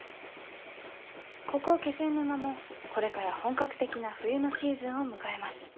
ここ気仙沼もこれから本格的な冬のシーズンを迎えます。